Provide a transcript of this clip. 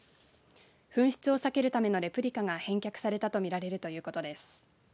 紛失を避けるためのレプリカが返却されたと見られるということです。